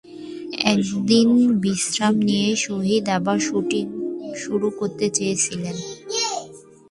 এক দিন বিশ্রাম নিয়েই শহীদ আবার শুটিং শুরু করতে চেয়েছিলেন।